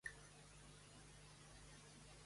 Quina polis va establir Cadme?